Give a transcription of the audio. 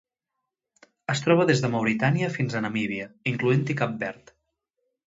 Es troba des de Mauritània fins a Namíbia, incloent-hi Cap Verd.